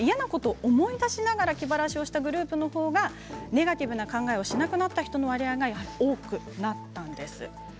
嫌なことを思い出しながら気晴らしをしたグループのほうがネガティブな考えをしなくなった人の割合が多くなったんです。